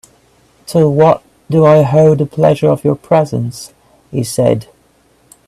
"To what do I owe the pleasure of your presence," he said.